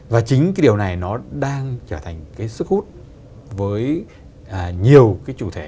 và chính cái điều này nó đang trở thành cái sức hút với nhiều cái chủ thể